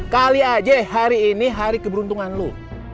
kali aja hari ini hari keberuntungan lo